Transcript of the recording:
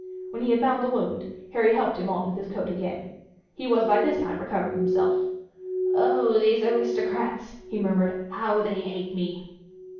When he had bound the wound Harry helped him on with his coat again. He was by this time recovering himself. "Oh these aristocrats," he murmured, "how they hate me!"